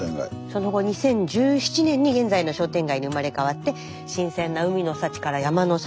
その後２０１７年に現在の商店街に生まれ変わって新鮮な海の幸から山の幸